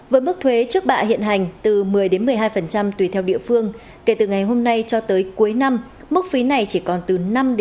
với mức thuế trước bạ hiện hành từ một mươi một mươi hai tùy theo địa phương kể từ ngày hôm nay cho tới cuối năm mức phí này chỉ còn từ năm một mươi